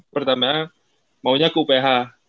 pertama maunya ke uph